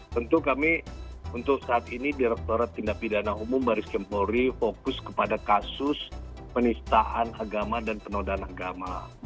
tentu kami untuk saat ini direkturat tindak bidana umum barreskrim polri fokus kepada kasus penistahan agama dan penodaan agama